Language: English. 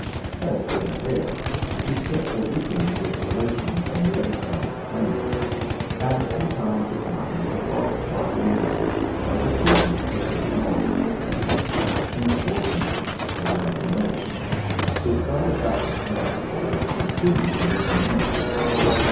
As for the hare, he spent a week end with relations on the other side of the county ; and from time to time the fox brought him word how the tortoise was getting on. In a fortnight, or rather more, it got about that the tortoise would soon be ripping home.